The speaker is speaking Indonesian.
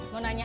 mau makan mas